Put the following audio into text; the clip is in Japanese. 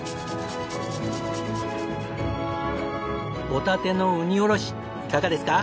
ホタテのウニおろしいかがですか？